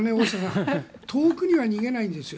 遠くには逃げないんです。